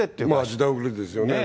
時代遅れですよね。